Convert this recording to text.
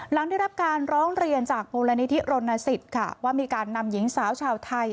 หลังได้รับการร้องเรียนจากมูลนิธิรณสิทธิ์ค่ะว่ามีการนำหญิงสาวชาวไทย